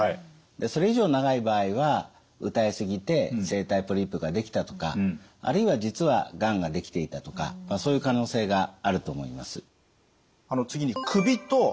でそれ以上長い場合は歌い過ぎて声帯ポリープができたとかあるいは実はがんができていたとかそういう可能性があると思います。